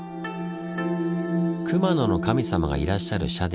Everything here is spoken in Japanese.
熊野の神様がいらっしゃる社殿。